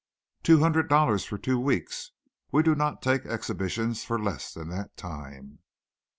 "Two hundred dollars for two weeks. We do not take exhibitions for less than that time."